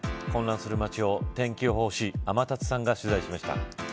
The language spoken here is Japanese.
混乱する街を天気予報士天達さんが取材しました。